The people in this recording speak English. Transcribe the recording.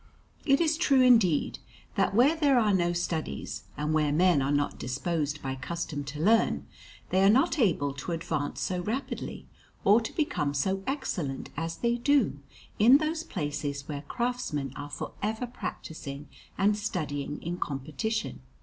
It is true, indeed, that where there are no studies, and where men are not disposed by custom to learn, they are not able to advance so rapidly or to become so excellent as they do in those places where craftsmen are for ever practising and studying in competition.